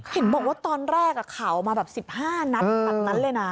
เห็นบอกว่าตอนแรกข่าวมาแบบ๑๕นัดแบบนั้นเลยนะ